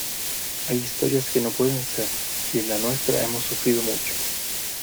hay historias que no pueden ser y en la nuestra hemos sufrido mucho.